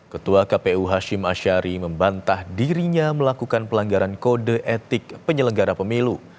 ketua kpu hashim ashari membantah dirinya melakukan pelanggaran kode etik penyelenggara pemilu